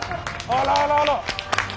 あららら。